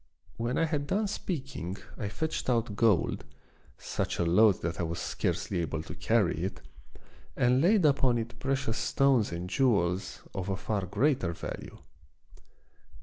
When I had done speaking I fetched out gold, such a load that I was scarcely able to carry it, and laid upon it precious stones and jewels of a far greater value.